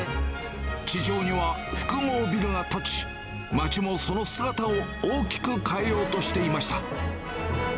地上には複合ビルが建ち、街もその姿を大きく変えようとしていました。